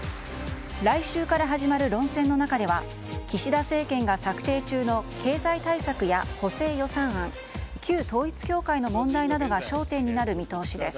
来週から始まる論戦の中では岸田政権が策定中の経済対策や、補正予算案旧統一教会の問題などが焦点になる見通しです。